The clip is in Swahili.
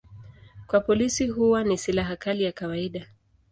Kwa polisi huwa ni silaha kali ya kawaida.